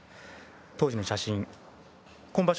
当時の写真今場所